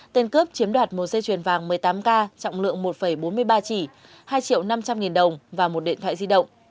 tên cướp chiếm đoạt một dây chuyền vàng một mươi tám k trọng lượng một bốn mươi ba chỉ hai triệu năm trăm linh nghìn đồng và một điện thoại di động